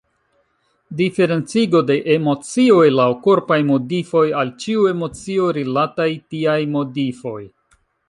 Diferencigo de emocioj laŭ korpaj modifoj: al ĉiu emocio rilataj tiaj modifoj.